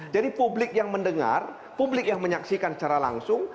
jadi publik yang mendengar publik yang menyaksikan secara langsung